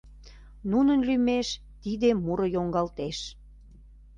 Нунын лӱмеш тиде муро йоҥгалтеш.